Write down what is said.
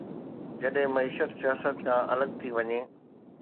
جڏهن معيشت سياست کان الڳ ٿي وڃي.